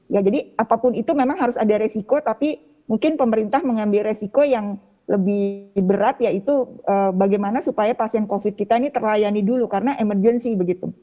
ya jadi apapun itu memang harus ada resiko tapi mungkin pemerintah mengambil resiko yang lebih berat yaitu bagaimana supaya pasien covid kita ini terlayani dulu karena emergency begitu